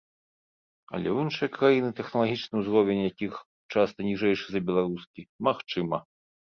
Але ў іншыя краіны, тэхналагічны ўзровень якіх часта ніжэйшы за беларускі, магчыма.